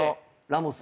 ラモス。